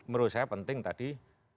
menurut saya penting tadi